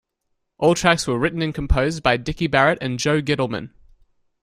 All tracks were written and composed by Dicky Barrett and Joe Gittleman.